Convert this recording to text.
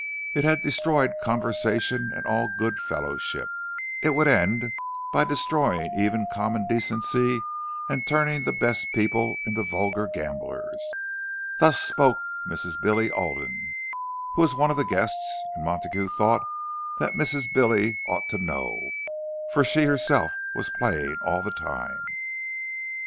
It had destroyed conversation and all good fellowship—it would end by destroying even common decency, and turning the best people into vulgar gamblers.—Thus spoke Mrs. Billy Alden, who was one of the guests; and Montague thought that Mrs. Billy ought to know, for she herself was playing all the time.